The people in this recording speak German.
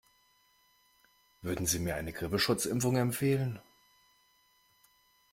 Würden Sie mir eine Grippeschutzimpfung empfehlen?